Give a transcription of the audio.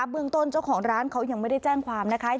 เบื้องต้นเจ้าของร้านเขายังไม่ได้แจ้งความนะคะ